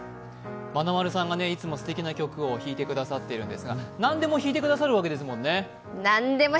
まなまるさんがいつもすてきな曲を弾いてくださっているんですが、何でも弾いてくださるわけですもんね。